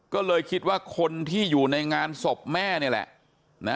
ก็เลยคิดว่าคนที่อยู่ในงานศพแม่นี่แหละ